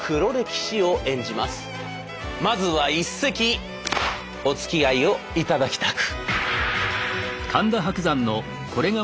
まずは一席おつきあいをいただきたく。